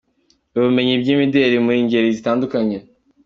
Ubumenyi By’imideli mu ngeri zitandukanye.